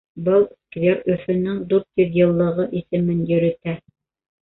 Был сквер Өфөнөң дүрт йөҙ йыллығы исемен йөрөтә.